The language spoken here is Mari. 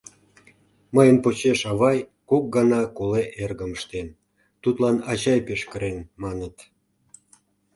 Мыйын почеш авай кок гана коле эргым ыштен — тудлан ачай пеш кырен, маныт.